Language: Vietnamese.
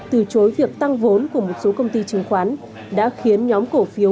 từ chối việc tăng vốn của một số công ty chứng khoán đã khiến nhóm cổ phiếu